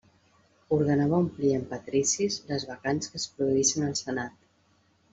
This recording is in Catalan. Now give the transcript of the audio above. Ordenava omplir amb patricis les vacants que es produïssin al senat.